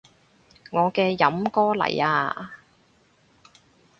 我嘅飲歌嚟啊